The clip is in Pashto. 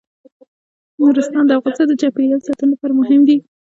نورستان د افغانستان د چاپیریال ساتنې لپاره مهم دي.